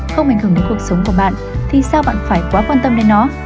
không ảnh hưởng đến cuộc sống của bạn thì sao bạn phải quá quan tâm đến nó